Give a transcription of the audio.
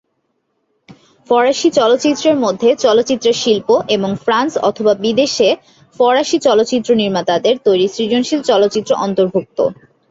ফরাসি চলচ্চিত্রের মধ্যে চলচ্চিত্রের শিল্প এবং ফ্রান্স অথবা বিদেশে ফরাসি চলচ্চিত্র নির্মাতাদের তৈরি সৃজনশীল চলচ্চিত্র অন্তর্ভুক্ত।